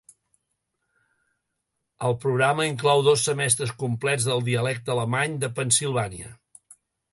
El programa inclou dos semestres complets del dialecte alemany de Pennsilvània.